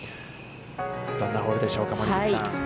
どんなホールでしょうか、森口さん。